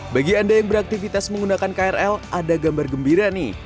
bagi anda yang beraktivitas menggunakan krl ada gambar gembira nih